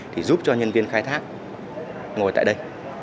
thì giúp cho nhân viên khai thác ngồi tại đây